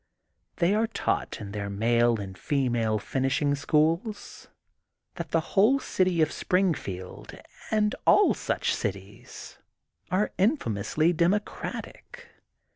They are tanght in their male and female finishing schools that the whole city of Springfield and idl such cities are infamously democratic.